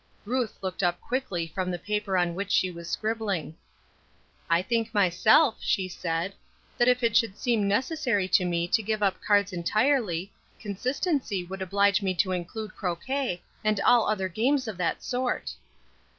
Ruth looked up quickly from the paper on which she was scribbling. "I think myself," she said, "that if it should seem necessary to me to give up cards entirely, consistency would oblige me to include croquet, and all other games of that sort."